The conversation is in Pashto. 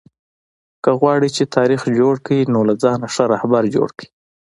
که غواړى، چي تاریخ جوړ کئ؛ نو له ځانه ښه راهبر جوړ کئ!